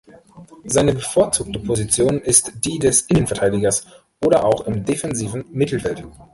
Seine bevorzugte Position ist die des Innenverteidigers oder auch im defensiven Mittelfeld.